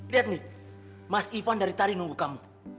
lihat nih mas ivan dari tari nunggu kamu